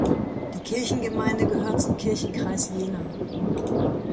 Die Kirchgemeinde gehört zum Kirchenkreis Jena.